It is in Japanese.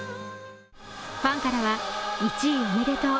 ファンからは「１位おめでとう」